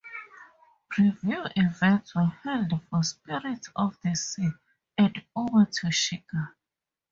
Preview events were held for "Spirits of the Sea" and "Uma to Shika".